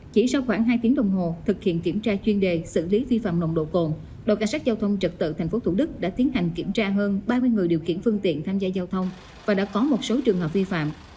chỉ sau khoảng hai tiếng đồng hồ thực hiện kiểm tra chuyên đề xử lý vi phạm nồng độ cồn đội cảnh sát giao thông trật tự tp thủ đức đã tiến hành kiểm tra hơn ba mươi người điều khiển phương tiện tham gia giao thông và đã có một số trường hợp vi phạm